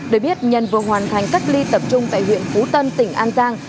để biết nhân vừa hoàn thành cách ly tập trung tại huyện phú tân tỉnh an giang